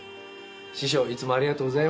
師匠いつもありがとうございます。